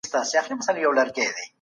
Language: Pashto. رئیس څه مسؤلیتونه لري؟